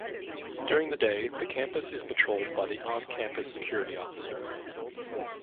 During the day, the campus is patrolled by the on-campus security officer.